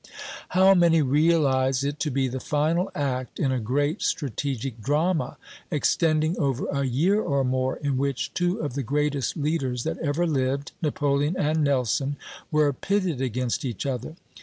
How many realize it to be the final act in a great strategic drama, extending over a year or more, in which two of the greatest leaders that ever lived, Napoleon and Nelson, were pitted against each other?